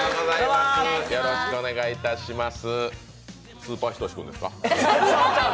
スーパー仁君ですか？